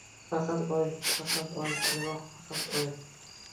Faqat oy, faqat oy, evoh, faqat oy